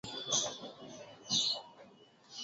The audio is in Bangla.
এমন সম্মান কি আর কোনো নামে হতে পারে!